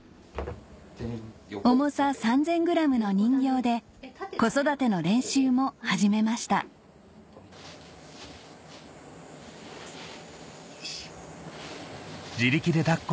重さ３０００ｇの人形で子育ての練習も始めましたよいしょ。